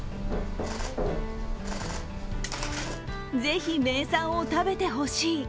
ぜひ、名産を食べてほしい。